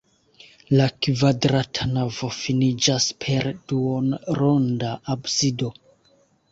La kvadrata navo finiĝas per duonronda absido.